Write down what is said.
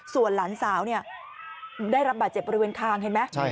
ส่วนหลานสาวได้รับบาดเจ็บบริเวณคางเห็นไหม